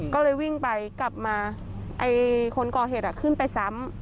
ก็เลยวิ่งไปกลับมาไอ้คนก่อเหตุขึ้นไปซ้ำ